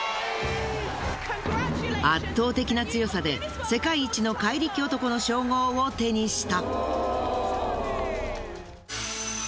圧倒的な強さで世界一の怪力男の称号を手にした。